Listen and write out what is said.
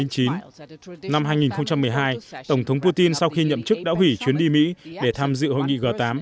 năm hai nghìn một mươi hai tổng thống putin sau khi nhậm chức đã hủy chuyến đi mỹ để tham dự hội nghị g tám